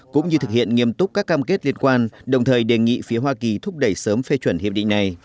cũng như thực hiện nghiêm túc các cam kết liên quan đồng thời đề nghị phía hoa kỳ thúc đẩy sớm phê chuẩn hiệp định này